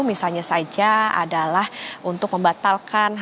misalnya saja adalah untuk membatalkan